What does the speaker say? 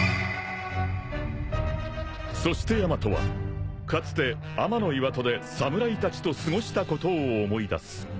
［そしてヤマトはかつて天岩戸で侍たちと過ごしたことを思い出す］